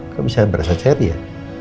kamu bisa berasa cherry ya